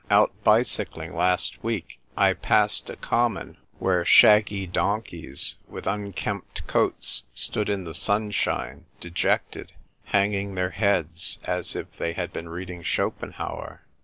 "Out bicycling last week, I passed a common where shaggy donkeys, with unkempt coats, stood in the sunsliint; dejected, hanging their heads as if they had been reading Schopenhauer."